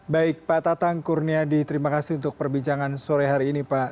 baik pak tatang kurniadi terima kasih untuk perbincangan sore hari ini pak